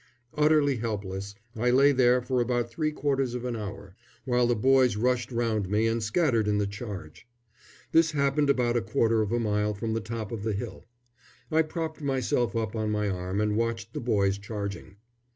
Utterly helpless, I lay there for about three quarters of an hour, while the boys rushed round me and scattered in the charge. This happened about a quarter of a mile from the top of the hill. I propped myself up on my arm and watched the boys charging.